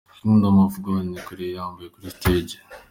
Kingdom of God ni uku yari yambaye kuri stage.